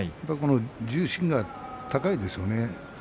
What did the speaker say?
重心が高いですよね。